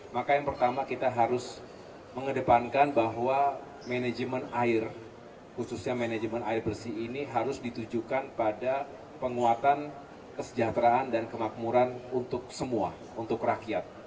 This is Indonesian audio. maka yang pertama kita harus mengedepankan bahwa manajemen air khususnya manajemen air bersih ini harus ditujukan pada penguatan kesejahteraan dan kemakmuran untuk semua untuk rakyat